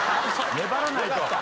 粘らないと。